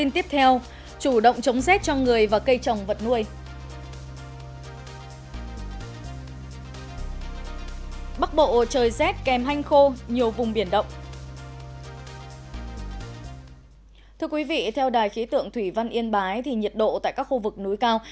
thưa quý vị theo đài khí tượng thủy văn yên bái thì nhiệt độ tại các khu vực núi cao